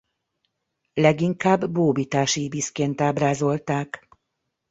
Leginkább bóbitás íbiszként ábrázolták.